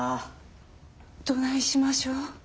どないしましょう？